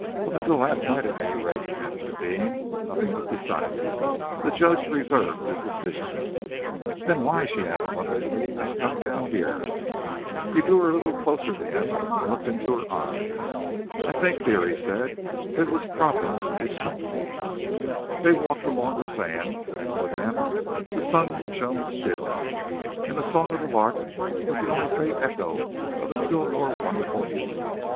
"Up till last night, at any rate," answered Deane, "nothing was decided. The judge reserved his decision." "Then why," she asked wonderingly, "did you come down here?" He drew her a little closer to him, and looked into her eyes. "I think, dear," he said, "that it was Providence which sent me." They walked along the sands, and for them the sun shone still, and the song of the lark was only the faint echo of a still more wonderful music.